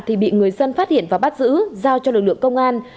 thì bị người dân phát hiện và bắt giữ giao cho lực lượng công an